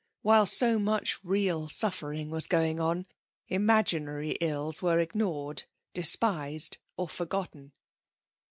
While so much real suffering was going on, imaginary ills were ignored, despised or forgotten.